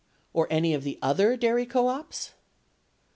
Or any of the other dairy co ops?